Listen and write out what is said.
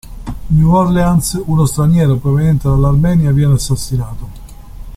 New Orleans: uno straniero proveniente dall'Armenia viene assassinato.